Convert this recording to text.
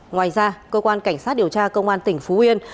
ngoài ra cơ quan cảnh sát điều tra công an tỉnh phú yên